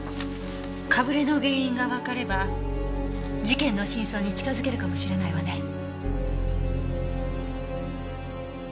かぶれの原因がわかれば事件の真相に近づけるかもしれないわね。